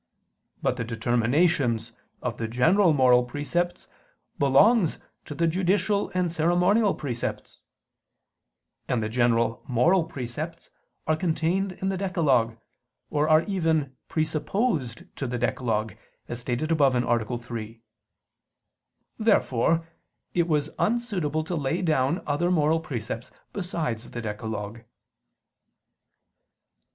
But the determinations of the general moral precepts belong to the judicial and ceremonial precepts: and the general moral precepts are contained in the decalogue, or are even presupposed to the decalogue, as stated above (A. 3). Therefore it was unsuitable to lay down other moral precepts besides the decalogue.